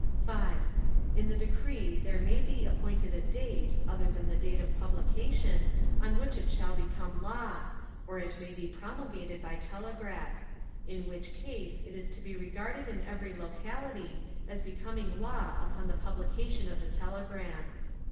5. In the decree there may be appointed a date, other than the date of publication, on which it shall become law, or it may be promulgated by telegraph; in which case it is to be regarded in every locality as becoming law upon the publication of the telegram.